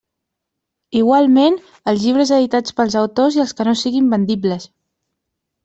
Igualment, els llibres editats pels autors i els que no siguen vendibles.